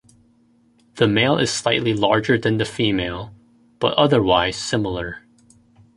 The male is slightly larger than the female, but otherwise similar.